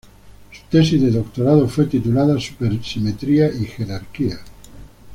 Su tesis de doctorado fue titulada "Supersimetría y jerarquías".